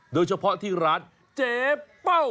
โดยเฉพาะที่ร้านเจเป้า